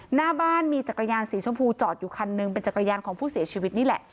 หน้าบ้านมีจักรยานสีชมพูจอดอยู่คันหนึ่งเป็นจักรยานของผู้เสียชีวิตนี่แหละ